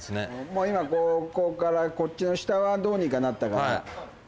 もう今こうこっからこっちの下はどうにかなったから。